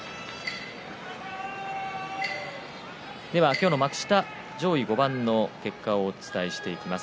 今日の幕下上位５番の結果をお伝えしていきます。